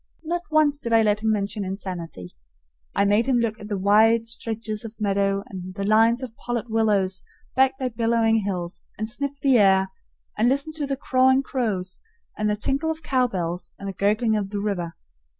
Not once did I let him mention insanity. I made him look at the wide stretches of meadow and the lines of pollard willows backed by billowing hills, and sniff the air, and listen to the cawing crows and the tinkle of cowbells and the gurgling of the river.